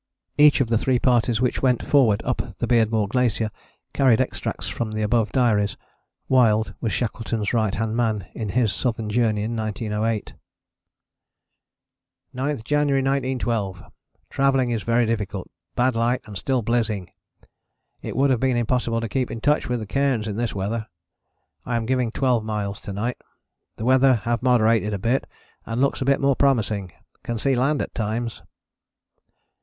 [Each of the three parties which went forward up the Beardmore Glacier carried extracts from the above diaries. Wild was Shackleton's right hand man in his Southern Journey in 1908.] 9th January 1912. Travelling is very difficult, bad light and still blizzing; it would have been impossible to keep in touch with the cairns in this weather. I am giving 12 miles to night. The weather have moderated a bit and looks a bit more promising. Can see land at times.